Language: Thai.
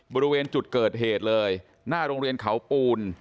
บริเวณจุดเกิดเหตุเลยหน้าโรงเรียนเขาปูน